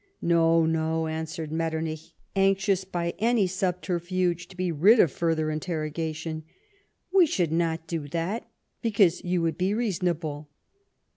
"" No, no," answered Metternich, anxious by any subterfuge to be rid of further interrogation, " we should not do that, because you would be reasonable."